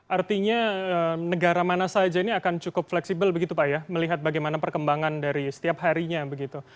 artinya negara mana saja ini akan cukup fleksibel begitu pak ya melihat bagaimana perkembangan dari setiap harinya begitu